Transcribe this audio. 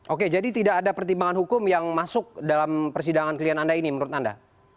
oke jadi tidak ada pertimbangan hukum yang masuk dalam persidangan klien anda ini menurut anda